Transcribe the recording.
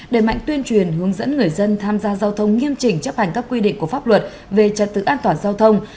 để mạnh tuyên truyền hướng dẫn người dân tham gia giao thông nghiêm chỉnh chấp hành các quy định của pháp luật về trật tự an toàn giao thông